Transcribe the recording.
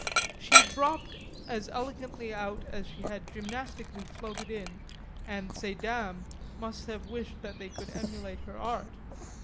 She dropped as elegantly out as she had gymnastically floated in, and "ces dames" must much have wished they could emulate her art.